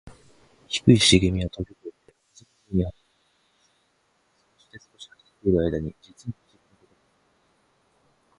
低いしげみはとびこえて、風のように走っていきます。ところが、そうして少し走っているあいだに、じつにふしぎなことがおこりました。